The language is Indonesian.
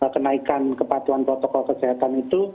kenaikan kepatuan protokol kesehatan itu